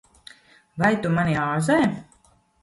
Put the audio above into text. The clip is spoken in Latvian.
Vai tu mani āzē?